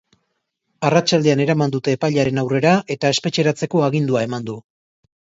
Arratsaldean eraman dute epailearen aurrera, eta espetxeratzeko agindua eman du.